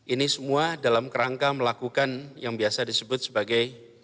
ini semua dalam kerangka melakukan yang biasa disebut sebagai